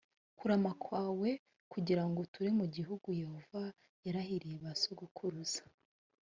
kurama kwawe kugira ngo uture mu gihugu yehova yarahiye ba sokuruza